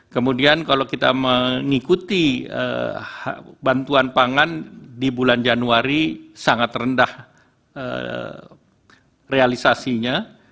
kemudian kalau kita mengikuti bantuan pangan di bulan januari sangat rendah realisasinya